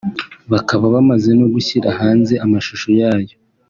bakaba bamaze no gushyira hanze amashusho yayo